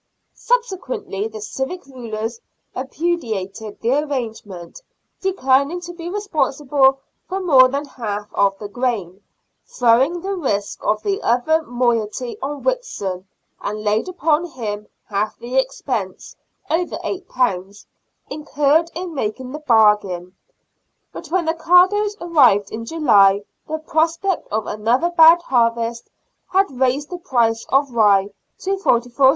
Subsequently the civic rulers repudiated the arrangement, declined to be responsible for more than half of the grain, throwing the risk of the other moiety on Whitson, and laid upon him 108 SIXTEENTH CENTURY BRISTOL. half the expense (over £8) incurred in making the bargain. But when the cargoes arrived in July the prospect of another bad harvest had raised the price of rye to 44s.